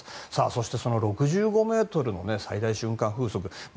そして、６５メートルの最大瞬間風速。